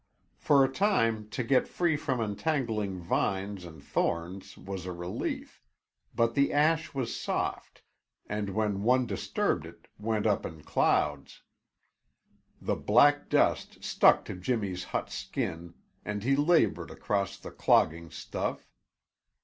For a time to get free from entangling vines and thorns was a relief, but the ash was soft and when one disturbed it, went up in clouds. The black dust stuck to Jimmy's hot skin and he labored across the clogging stuff.